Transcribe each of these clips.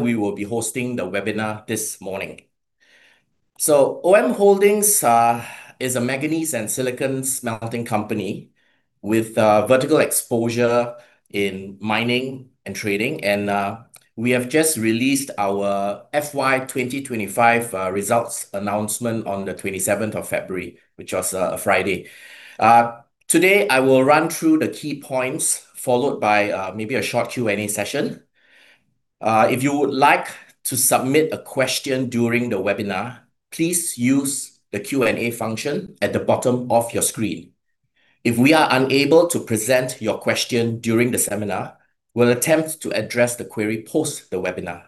We will be hosting the webinar this morning. OM Holdings is a manganese and silicon smelting company with vertical exposure in mining and trading and we have just released our FY 2025 results announcement on the 27th of February, which was a Friday. Today I will run through the key points followed by maybe a short Q&A session. If you would like to submit a question during the webinar, please use the Q&A function at the bottom of your screen. If we are unable to present your question during the seminar, we'll attempt to address the query post the webinar.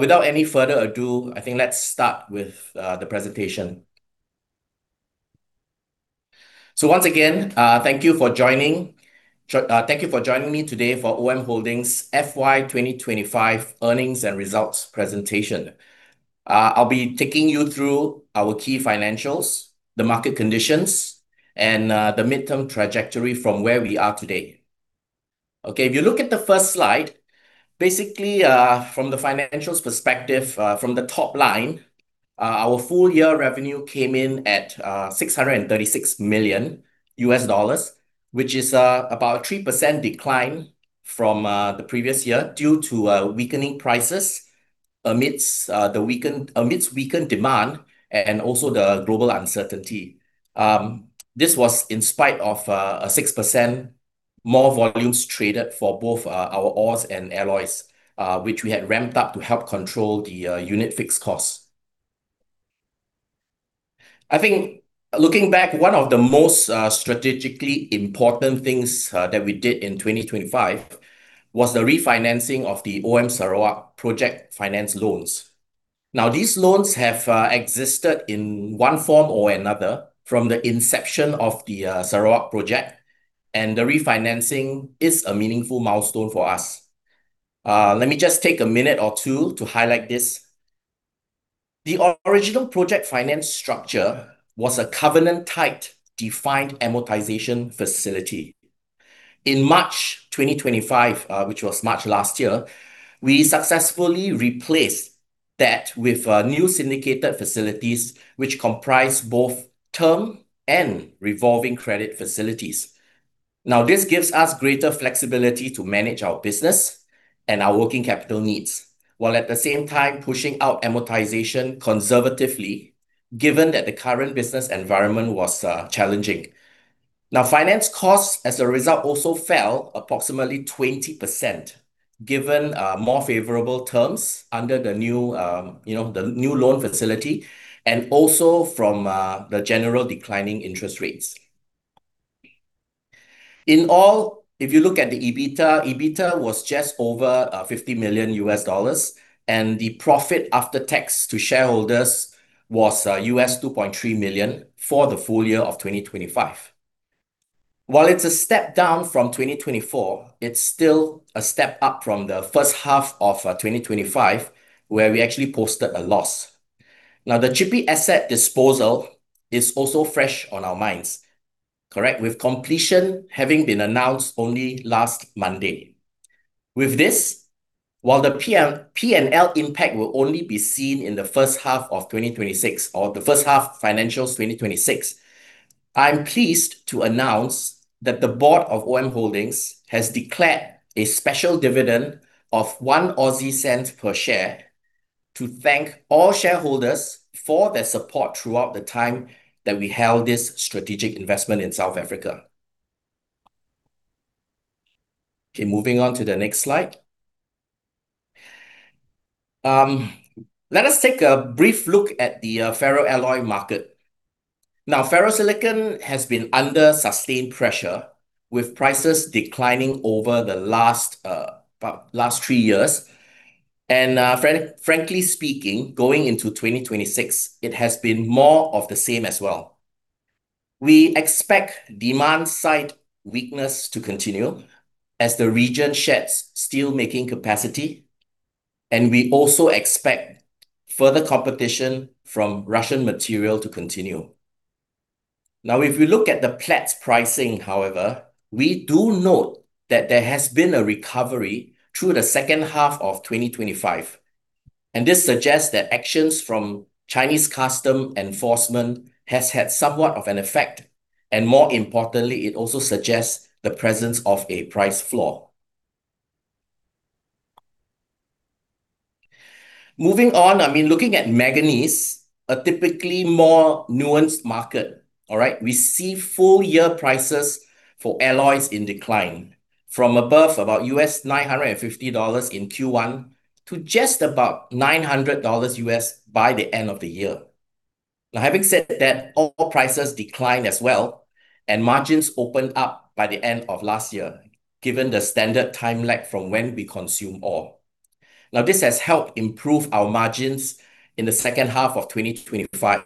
Without any further ado, let's start with the presentation. Once again, thank you for joining. Thank you for joining me today for OM Holdings FY 2025 Earnings and Results Presentation. I'll be taking you through our key financials, the market conditions, and the midterm trajectory from where we are today. If you look at the first slide, basically, from the financials perspective, from the top-line, our full-year revenue came in at $636 million, which is about 3% decline from the previous year due to weakening prices amidst weakened demand and also the global uncertainty. This was in spite of 6% more volumes traded for both our ores and alloys, which we had ramped up to help control the unit fixed costs. Looking back, one of the most strategically important things that we did in 2025 was the refinancing of the OM Sarawak project finance loans These loans have existed in one form or another from the inception of the Sarawak Project, and the refinancing is a meaningful milestone for us. Let me just take 1 or 2 minutes to highlight this. The original project finance structure was a covenant-tight, defined amortization facility. In March 2025, which was March last year, we successfully replaced that with new syndicated facilities which comprise both term and revolving credit facilities. This gives us greater flexibility to manage our business and our working capital needs, while at the same time pushing out amortization conservatively, given that the current business environment was challenging. Finance costs as a result also fell approximately 20%, given more favorable terms under the new loan facility and also from the general declining interest rates. In all, if you look at the EBITDA was just over $50 million, and the profit after tax to shareholders was $2.3 million for the full year of 2025. While it's a step down from 2024, it's still a step up from the first half of 2025, where we actually posted a loss. The Tshipi asset disposal is also fresh on our minds, correct? With completion having been announced only last Monday. While the P&L impact will only be seen in the first half of 2026 or the first half financials 2026, I'm pleased to announce that the board of OM Holdings has declared a special dividend of 0.01 per share to thank all shareholders for their support throughout the time that we held this strategic investment in South Africa. Moving on to the next slide. Let us take a brief look at the ferroalloy market. Now, ferrosilicon has been under sustained pressure, with prices declining over the last three years. Frankly speaking, going into 2026, it has been more of the same as well. We expect demand-side weakness to continue as the region sheds steelmaking capacity, and we also expect further competition from Russian material to continue. Now, if you look at the Platts pricing, however, we do note that there has been a recovery through the second half of 2025. This suggests that actions from Chinese customs enforcement has had somewhat of an effect, and more importantly, it also suggests the presence of a price floor. Moving on, looking at manganese, a typically more nuanced market. All right, we see full year prices for alloys in decline from above about $950 in Q1 to just about $900 by the end of the year. Having said that, ore prices declined as well, and margins opened up by the end of last year, given the standard time lag from when we consume ore. This has helped improve our margins in the second half of 2025.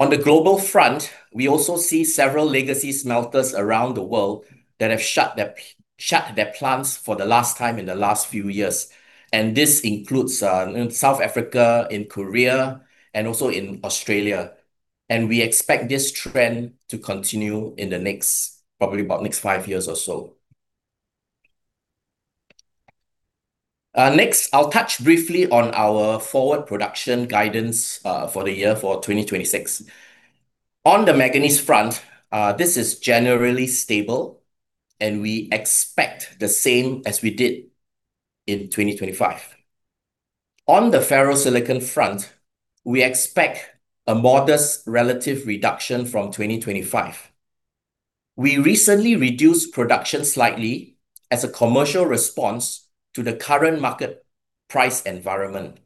On the global front, we also see several legacy smelters around the world that have shut their plants for the last time in the last few years. This includes in South Africa, in Korea, and also in Australia. We expect this trend to continue in the next probably about next 5 years or so. Next, I'll touch briefly on our forward production guidance for the year for 2026. On the manganese front, this is generally stable, and we expect the same as we did in 2025. On the ferrosilicon front, we expect a modest relative reduction from 2025. We recently reduced production slightly as a commercial response to the current market price environment.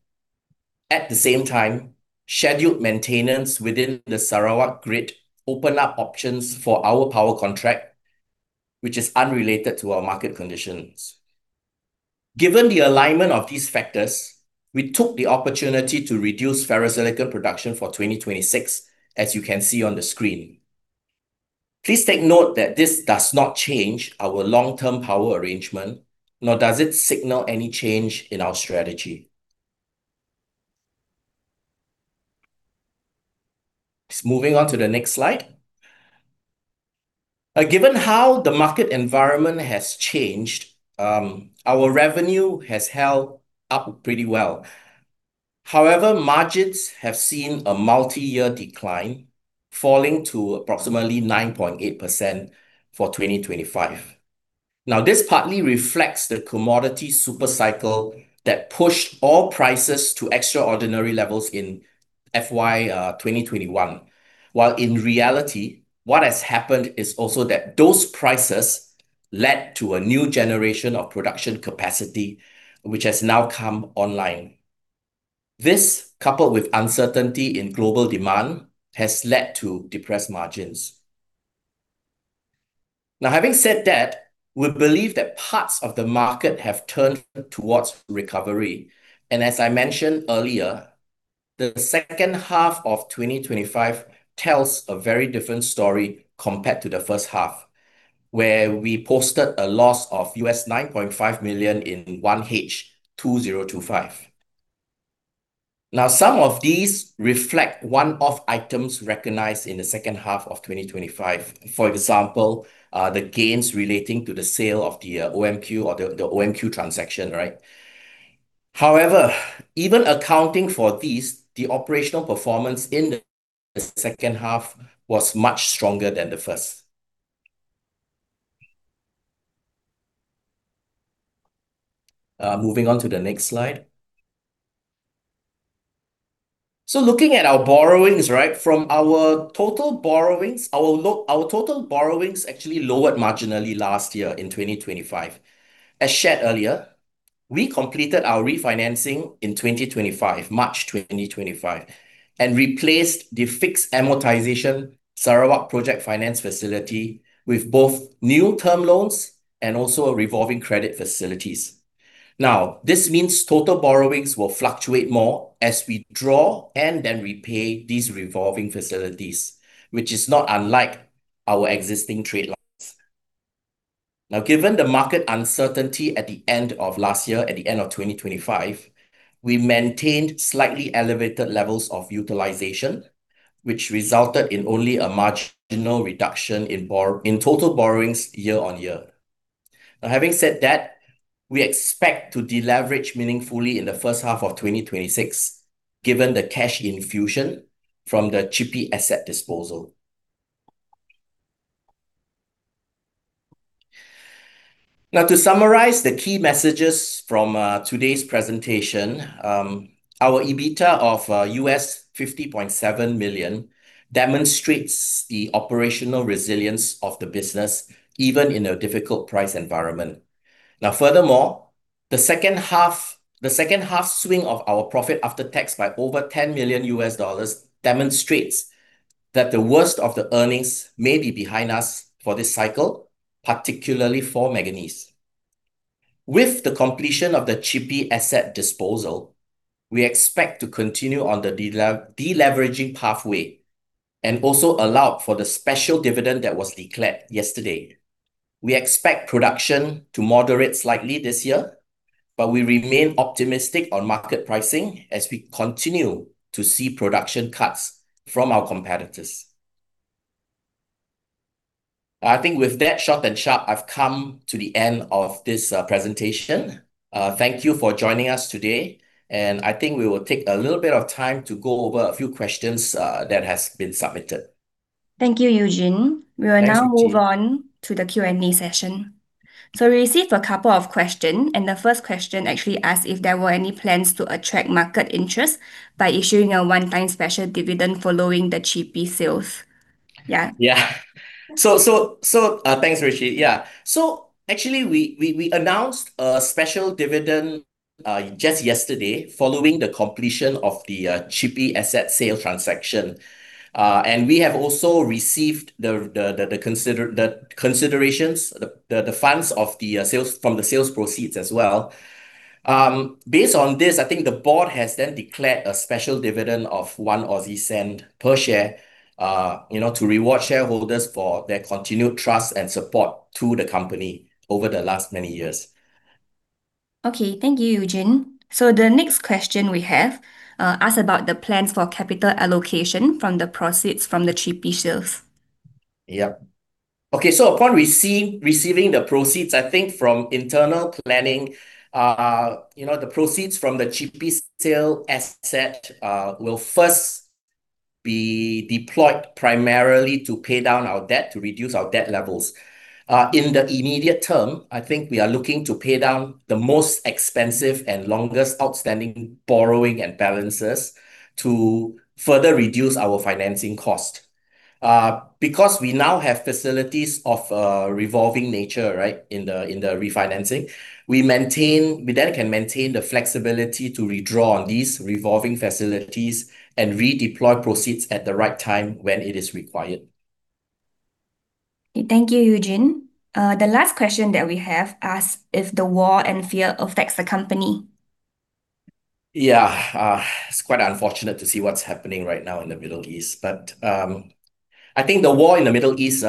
At the same time, scheduled maintenance within the Sarawak grid open up options for our power contract, which is unrelated to our market conditions. Given the alignment of these factors, we took the opportunity to reduce ferrosilicon production for 2026, as you can see on the screen. Please take note that this does not change our long-term power arrangement, nor does it signal any change in our strategy. Just moving on to the next slide. Given how the market environment has changed, our revenue has held up pretty well. However, margins have seen a multi-year decline, falling to approximately 9.8% for 2025. This partly reflects the commodity super cycle that pushed all prices to extraordinary levels in FY 2021. While in reality, what has happened is also that those prices led to a new generation of production capacity, which has now come online. This, coupled with uncertainty in global demand, has led to depressed margins. Having said that, we believe that parts of the market have turned towards recovery. As I mentioned earlier, the second half of 2025 tells a very different story compared to the first half, where we posted a loss of $9.5 million in 1H 2025. Some of these reflect one-off items recognized in the second half of 2025. For example, the gains relating to the sale of the OMQ or the OMQ transaction, right? However, even accounting for these, the operational performance in the second half was much stronger than the first. Moving on to the next slide. Looking at our borrowings, right from our total borrowings, our total borrowings actually lowered marginally last year in 2025. As shared earlier, we completed our refinancing in 2025, March 2025, and replaced the fixed amortization Sarawak project finance facility with both new term loans and also a revolving credit facilities. This means total borrowings will fluctuate more as we draw and then repay these revolving facilities, which is not unlike our existing trade lines. Given the market uncertainty at the end of last year, at the end of 2025, we maintained slightly elevated levels of utilization, which resulted in only a marginal reduction in total borrowings year-on-year. Having said that, we expect to deleverage meaningfully in the first half of 2026, given the cash infusion from the Tshipi asset disposal. To summarize the key messages from today's presentation, our EBITDA of $50.7 million demonstrates the operational resilience of the business, even in a difficult price environment. Furthermore, the second half swing of our profit after tax by over $10 million demonstrates that the worst of the earnings may be behind us for this cycle, particularly for manganese. With the completion of the Tshipi asset disposal, we expect to continue on the deleveraging pathway and also allow for the special dividend that was declared yesterday. We expect production to moderate slightly this year, but we remain optimistic on market pricing as we continue to see production cuts from our competitors. With that short and sharp, I've come to the end of this presentation. Thank you for joining us today, and we will take a little bit of time to go over a few questions that has been submitted. Thank you, Eugene. Thanks, Ruiqi. We will now move on to the Q&A session. We received a couple of questions, and the first question actually asked if there were any plans to attract market interest by issuing a one-time special dividend following the Tshipi sales. Thanks, Ruiqi. Actually, we announced a special dividend just yesterday following the completion of the Tshipi asset sale transaction. We have also received the considerations, the funds of the sales from the sales proceeds as well. Based on this, the Board has then declared a special dividend of 0.01 per share to reward shareholders for their continued trust and support to the company over the last many years. Thank you, Eugene. The next question we have, asks about the plans for capital allocation from the proceeds from the Tshipi sales. Upon receiving the proceeds from internal planning, you know, the proceeds from the Tshipi sale asset, will first be deployed primarily to pay down our debt, to reduce our debt levels. In the immediate term we are looking to pay down the most expensive and longest outstanding borrowing and balances to further reduce our financing cost. Because we now have facilities of a revolving nature, right, in the refinancing, we then can maintain the flexibility to redraw on these revolving facilities and redeploy proceeds at the right time when it is required. Thank you, Eugene. The last question that we have asks if the war and fear affect the company. It's quite unfortunate to see what's happening right now in the Middle East. The war in the Middle East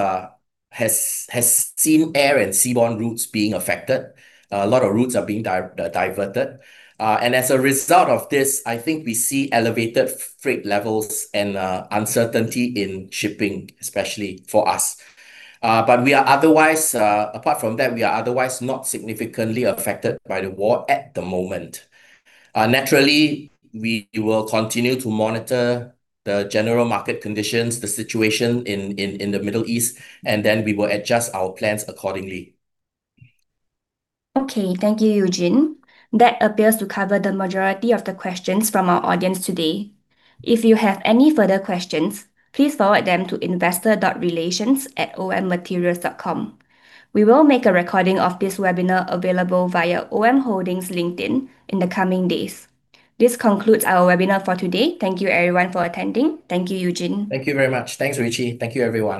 has seen air and seaborne routes being affected. A lot of routes are being diverted. As a result of this we see elevated freight levels and uncertainty in shipping, especially for us. We are otherwise, apart from that, we are otherwise not significantly affected by the war at the moment. Naturally, we will continue to monitor the general market conditions and the situation in the Middle East, and then we will adjust our plans accordingly. Thank you, Eugene. That appears to cover the majority of the questions from our audience today. If you have any further questions, please forward them to investor.relations@ommaterials.com. We will make a recording of this webinar available via OM Holdings LinkedIn in the coming days. This concludes our webinar for today. Thank you, everyone, for attending. Thank you, Eugene. Thank you very much. Thanks, Ruiqi. Thank you, everyone.